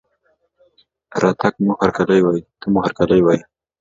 رتګ ته مو هرکلى وايو